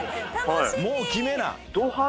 もう決めな。